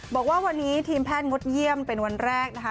บอกว่าวันนี้ทีมแพทย์งดเยี่ยมเป็นวันแรกนะคะ